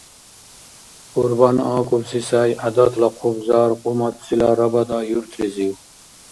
Кьурбан акӀубси сай гӀядатла хъубзар Кьумаццила Рабада юртлизив.